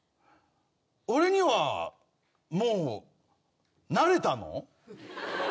俺にはもう慣れたの？